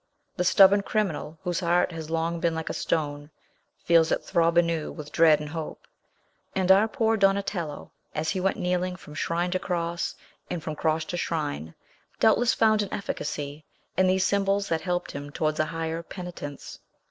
The stubborn criminal, whose heart has long been like a stone, feels it throb anew with dread and hope; and our poor Donatello, as he went kneeling from shrine to cross, and from cross to shrine, doubtless found an efficacy in these symbols that helped him towards a higher penitence.